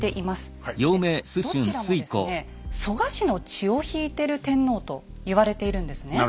でどちらもですね蘇我氏の血を引いている天皇と言われているんですね。